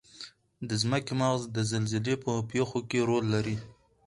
د ځمکې مغز د زلزلې په پیښو کې رول لري.